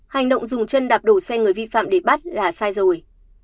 hành động dùng chân đạp đổ xe người vi phạm để bắt là sai rồi